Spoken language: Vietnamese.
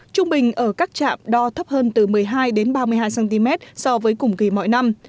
tình ở các chạm đo thấp hơn từ một mươi hai ba mươi hai cm so với cùng kỳ mọi năm